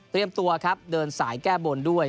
เตรียมตัวนะครับเดินสายแก้บ้นด้วย